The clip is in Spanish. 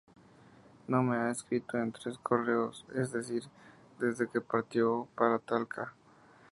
No me ha escrito en tres correos, es decir desde que partió para Talca.